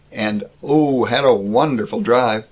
and "Oh! Had won derful drive!"